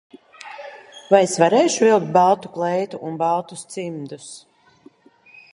Vai es varēšu vilkt baltu kleitu un baltus cimdus?